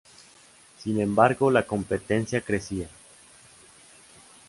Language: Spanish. Sin embargo, la competencia crecía.